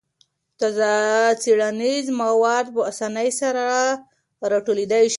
تازه څېړنیز مواد په اسانۍ سره راټولېدای شي.